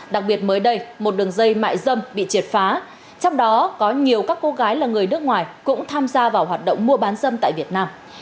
đặc biệt mới đây một đường dây mại dâm bị triệt phá trong đó có nhiều các cô gái là người nước ngoài cũng tham gia vào hoạt động mua bán dâm tại việt nam